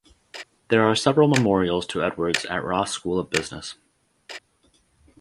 There are several memorials to Edwards at Ross School of Business.